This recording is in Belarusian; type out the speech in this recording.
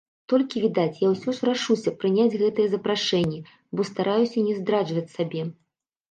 Толькі, відаць, я ўсё ж рашуся прыняць гэтыя запрашэнні, бо стараюся не здраджваць сабе.